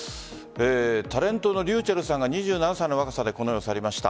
タレントのｒｙｕｃｈｅｌｌさんが２７歳の若さでこの世を去りました。